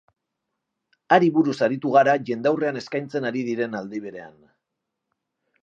Hari buruz aritu gara jendaurrean eskaintzen ari diren aldi berean.